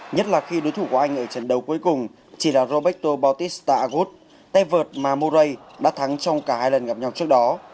nhất là khi đối thủ của anh ở trận đấu cuối cùng chỉ là roberto bortista agot tay vợt mà morai đã thắng trong cả hai lần gặp nhau trước đó